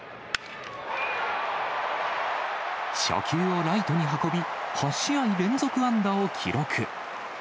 初球をライトに運び、８試合連続安打を記録。